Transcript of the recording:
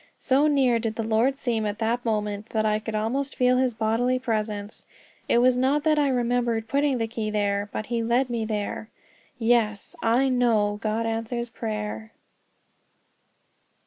So near did the Lord seem at that moment that I could almost feel his bodily presence. It was not that I remembered putting the key there, but he led me there. Yes, I know God answers prayer.